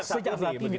sejak saat ini